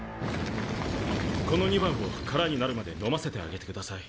この２番を空になるまで飲ませてあげてください。